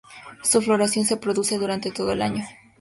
Su floración se produce durante todo el año.